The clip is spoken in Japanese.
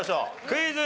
クイズ。